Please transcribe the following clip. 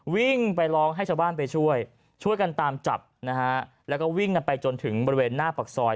วิ่งไปร้องให้ชาวบ้านไปช่วยช่วยกันตามจับนะฮะแล้วก็วิ่งกันไปจนถึงบริเวณหน้าปากซอย